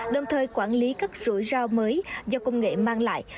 đồng thời quản lý các rủi ro mới do công nghệ mang lại